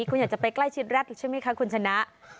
คุณอยากจะไปใกล้ชิดรัฐอีกใช่ไหมคะคุณชนะ